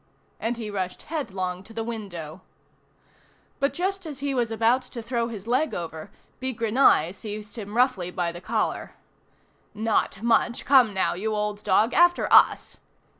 And he rushed headlong to the window. But just as he was about to throw his leg over, Bigrenaille seized him roughly by the collar. "Not much, come now, you old dog, after us!"